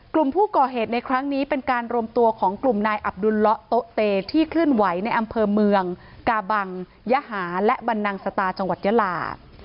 กลุ่มผู้ก่อเหตุในครั้งนี้เป็นการรวมตัวของกลุ่มนายอับดุลละโต๊ะเตที่เคลื่อนไหวในอำเภอเมืองกาบังยหาและบรรนังสตาจังหวัดยาลา